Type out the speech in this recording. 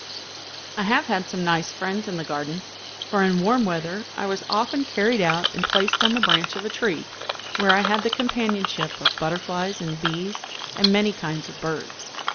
I have had some nice friends in the garden, for in warm weather I was often carried out and placed on the branch of a tree, where I had the companionship of butterflies and bees and many kinds of birds.